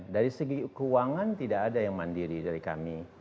dari segi keuangan tidak ada yang mandiri dari kami